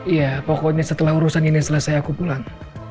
iya pokoknya setelah urusan ini selesai aku pulang